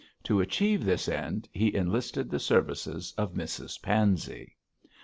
To achieve this end he enlisted the services of Mrs Pansey.